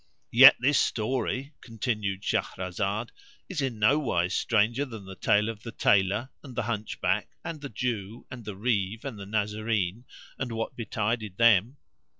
"Yet this story," (continued Shahrazad) "is in no wise stranger than the tale of the Tailor and the Hunchback and the Jew and the Reeve and the Nazarene, and what betided them."